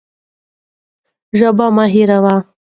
ژبه مه هېروئ.